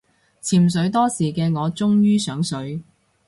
潛水多時嘅我終於上水